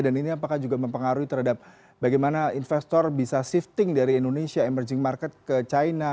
dan ini apakah juga mempengaruhi terhadap bagaimana investor bisa shifting dari indonesia emerging market ke china